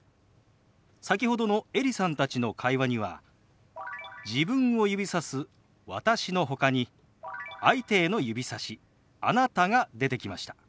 先ほどのエリさんたちの会話には自分を指さす「私」のほかに相手への指さし「あなた」が出てきました。